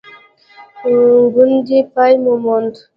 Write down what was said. غونډې پای وموند.